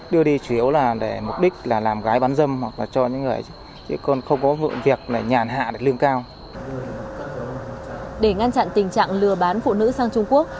để ngăn chặn tình trạng lừa bán phụ nữ sang trung quốc